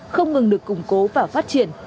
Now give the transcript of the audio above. không ngừng được củng cố và phát triển